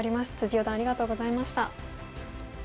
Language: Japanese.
四段ありがとうございました。